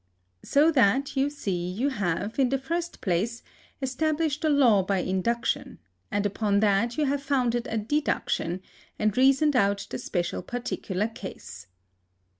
So that, you see, you have, in the first place, established a law by induction, and upon that you have founded a deduction, and reasoned out the special particular case.